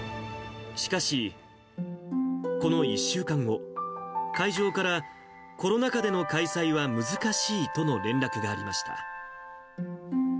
しかし、この１週間後、会場から、コロナ禍での開催は難しいとの連絡がありました。